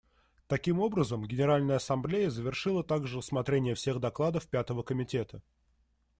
Таким образом, Генеральная Ассамблея завершила также рассмотрение всех докладов Пятого комитета.